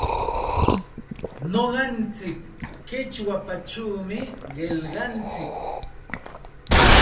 Nuqantsik qichpachawmi qillqantsik.